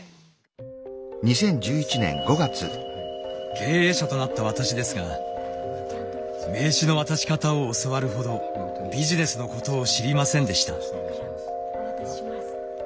経営者となった私ですが名刺の渡し方を教わるほどビジネスのことを知りませんでした。